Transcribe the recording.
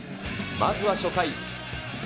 まずは初回。